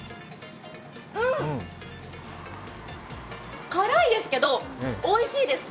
うん、辛いですけど、おいしいです。